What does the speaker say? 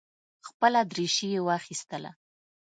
خپله درېشي یې وایستله.